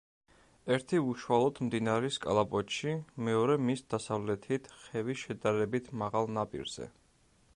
ერთი უშუალოდ მდინარის კალაპოტში, მეორე მის დასავლეთით, ხევის შედარებით მაღალ ნაპირზე.